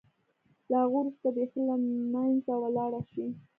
له هغه وروسته بېخي له منځه ولاړه شي.